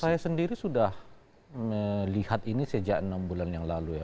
saya sendiri sudah melihat ini sejak enam bulan yang lalu ya